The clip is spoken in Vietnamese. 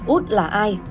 úc là ai